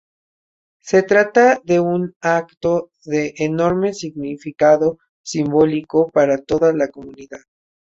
Se trata de un acto de enorme significado simbólico para toda la comunidad.